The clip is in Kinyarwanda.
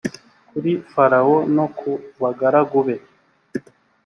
kuri farawo no ku bagaragu be